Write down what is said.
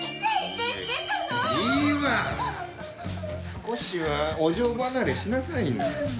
少しはお嬢離れしなさいな。